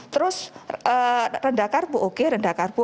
terus rendah karbu oke rendah karbu